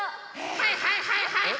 はいはいはいはい！